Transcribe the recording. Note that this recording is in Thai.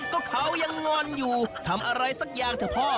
ก็เขายังงอนอยู่ทำอะไรสักอย่างเถอะพ่อ